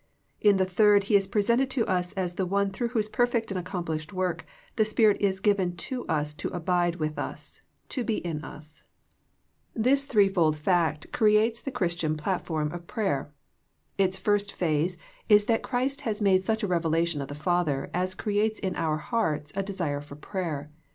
In the third He is presented to us as the One through whose perfect and accomplished work the Spirit is given to us to abide with us, to be in us. 29 30 THE PEAOTICE OF PEAYER This threefold fact creates the Christian plat form of prayer. Its first phase is that Christ has made such a revelation of the Father as creates in our hearts a desire for prayer.